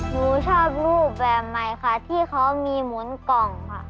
หนูชอบรูปแบบใหม่ค่ะที่เขามีหมุนกล่องค่ะ